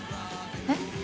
えっ？